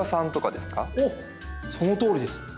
そのとおりです。